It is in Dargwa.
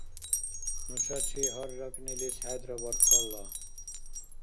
Нушачи гьарракӀнилис хӀедра баркалла.